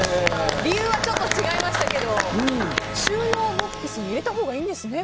理由はちょっと違いましたけど収納ボックスに入れたほうがいいんですね